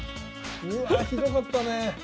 うわあひどかったねえ。